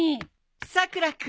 さくら君。